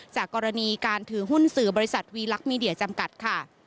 จากกรณีการถือหุ้นสื่อบริษัทวีลักษณ์มีเดียจำกัดค่ะ